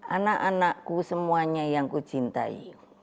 anak anakku semuanya yang kucintai